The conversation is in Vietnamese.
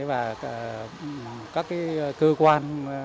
và các cơ quan